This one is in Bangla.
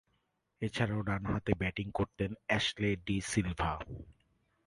এছাড়াও, ডানহাতে ব্যাটিং করতেন অ্যাশলে ডি সিলভা।